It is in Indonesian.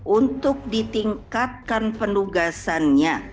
untuk ditingkatkan pendugasannya